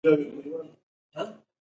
دا زه ولی؟